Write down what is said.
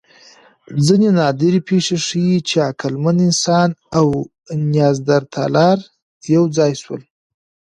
ځینې نادرې پېښې ښيي، چې عقلمن انسانان او نیاندرتالان یو ځای شول.